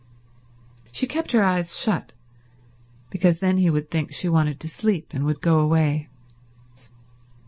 She kept her eyes shut, because then he would think she wanted to sleep and would go away.